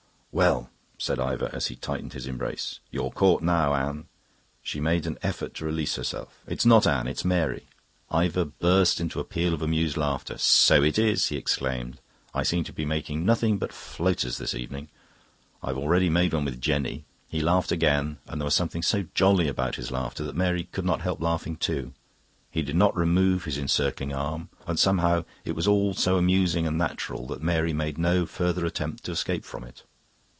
"Well," said Ivor as he tightened his embrace, "you're caught now, Anne." She made an effort to release herself. "It's not Anne. It's Mary." Ivor burst into a peal of amused laughter. "So it is!" he exclaimed. "I seem to be making nothing but floaters this evening. I've already made one with Jenny." He laughed again, and there was something so jolly about his laughter that Mary could not help laughing too. He did not remove his encircling arm, and somehow it was all so amusing and natural that Mary made no further attempt to escape from it.